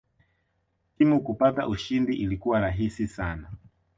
Timu kupata ushindi ilikuwa rahisi sana